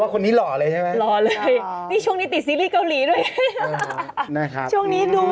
มันก็ไม่มีทุกวันค่ะ